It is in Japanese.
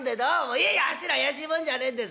いやいやあっしら怪しいもんじゃねえんです。